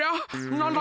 なんだ？